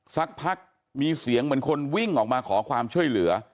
สักพักมีเสียงเหมือนคนวิ่งออกมาขอความช่วยเหลือ